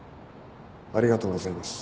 ありがとうございます。